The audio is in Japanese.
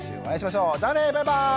じゃあねバイバーイ！